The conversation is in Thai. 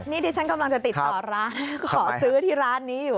นี่ที่ฉันกำลังจะติดต่อร้านขอซื้อที่ร้านนี้อยู่